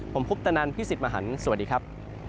ผมคุปตะนันพี่สิทธิ์มหันฯสวัสดีครับ